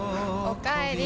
おかえり。